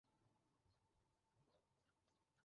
আমার ধোন দেখতে কর্ন ডগের মতো লাগছে।